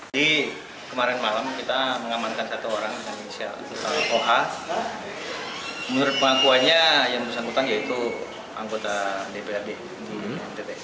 jadi kemarin malam kita mengamankan satu orang yang misalnya salah poha